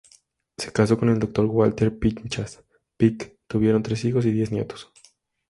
Se casó con el Dr. Walter Pinchas Pick, tuvieron tres hijos y diez nietos.